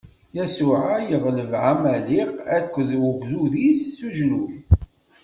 Yacuɛa yeɣleb Ɛamaliq akked ugdud-is s ujenwi.